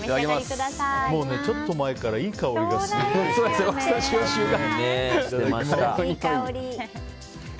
ちょっと前からいい香りがすごい。